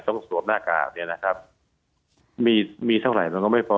ต้องสวมหน้ากากมีเท่าไหร่มันก็ไม่พอ